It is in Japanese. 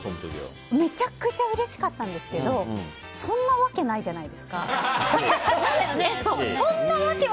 めちゃくちゃうれしかったんですけどそんなわけないじゃないですか。